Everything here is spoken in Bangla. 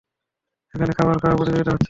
এখানে খাবার খাওয়ার প্রতিযোগিতা হচ্ছে না।